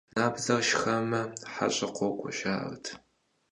Набдзэр шхэмэ, хьэщӀэ къокӀуэ, жаӀэрт.